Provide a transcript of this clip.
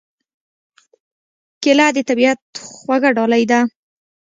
کېله د طبیعت خوږه ډالۍ ده.